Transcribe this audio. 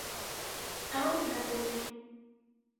Ew neborîn.